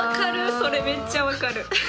それめっちゃ分かる。